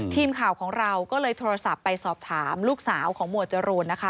ทีมข่าวของเราก็เลยโทรศัพท์ไปสอบถามลูกสาวของหมวดจรูนนะคะ